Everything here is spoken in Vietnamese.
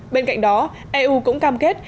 bên cạnh đó eu cũng cam kết